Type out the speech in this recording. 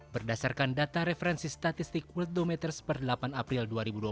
berdasarkan data referensi statistik world dometters per delapan april dua ribu dua puluh